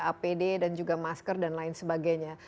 apd dan juga masker dan lain sebagainya